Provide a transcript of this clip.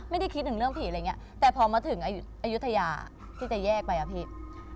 ไม่ได้คิดถึงเรื่องผีอะไรอย่างนี้แต่พอมาถึงอายุทยาที่จะแยกไปอะพี่